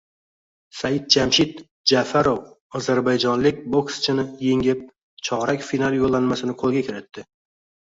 Saidjamshid Ja’farov ozarbayjonlik bokschini yengib, chorak final yo‘llanmasini qo‘lga kiritdi